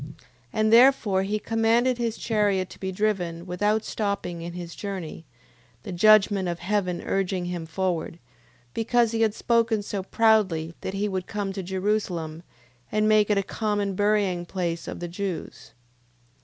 And therefore he commanded his chariot to be driven, without stopping in his journey, the judgment of heaven urging him forward, because he had spoken so proudly, that he would come to Jerusalem, and make it a common burying place of the Jews.